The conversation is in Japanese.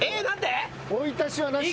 追い足しはなしや。